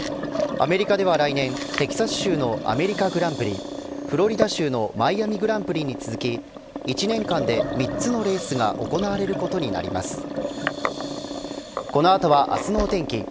アメリカでは来年、テキサス州のアメリカ・グランプリフロリダ州のマイアミ・グランプリに続き１年間で３つのレースが行われることになります。